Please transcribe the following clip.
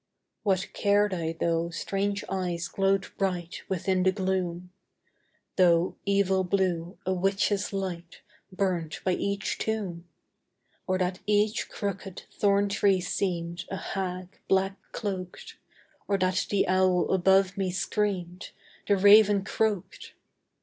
What cared I though strange eyes glowed bright Within the gloom! Though, evil blue, a witch's light Burnt by each tomb! Or that each crooked thorn tree seemed A hag, black cloaked! Or that the owl above me screamed, The raven croaked!